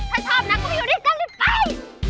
ใครชอบนักก็ไปอยู่นี่ก็รีบไป